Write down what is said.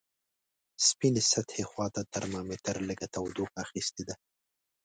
سپینې سطحې خواته ترمامتر لږه تودوخه اخستې ده.